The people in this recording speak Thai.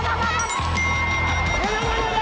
โอ้โฮโอ้โฮโอ้โฮ